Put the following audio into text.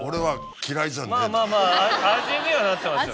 味にはなってますよね。